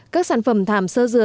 các sản phẩm thảm sơ dừa